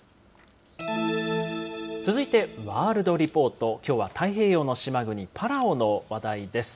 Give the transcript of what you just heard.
続いてワールドリポート、きょうは太平洋の島国、パラオの話題です。